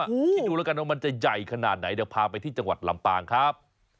คิดดูแล้วกันว่ามันจะใหญ่ขนาดไหนเดี๋ยวพาไปที่จังหวัดลำปางครับ